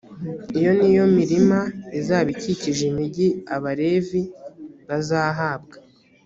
iyo ni yo mirima izaba ikikije imigi abalevi bazahabwa.